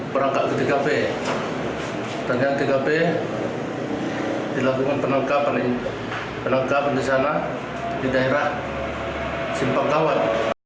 perangkat ketiga b dan yang ketiga b dilakukan penangkap di daerah simpangkawat